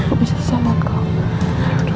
aku bisa selamatkan kamu